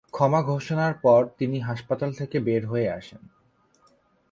ক্ষমা ঘোষণার পর তিনি হাসপাতাল থেকে বের হয়ে আসেন।